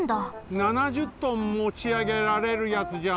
７０トンもちあげられるやつじゃん！